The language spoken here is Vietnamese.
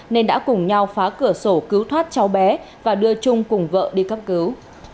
nên đã cùng nhau phá cửa sổ cứu thoát cháu bé và đưa trung cùng vợ đi cấp cứu